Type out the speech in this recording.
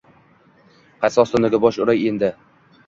Qaysi ostonaga bosh uray endi